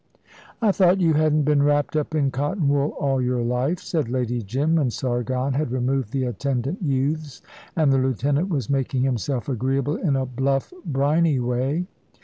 "I thought you hadn't been wrapped up in cotton wool all your life," said Lady Jim, when Sargon had removed the attendant youths and the lieutenant was making himself agreeable in a bluff, briny way.